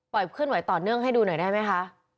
เคลื่อนไหวต่อเนื่องให้ดูหน่อยได้ไหมคะ